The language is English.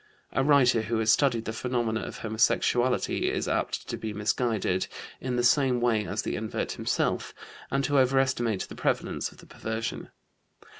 A writer who has studied the phenomena of homosexuality is apt to be misguided in the same way as the invert himself, and to overestimate the prevalence of the perversion.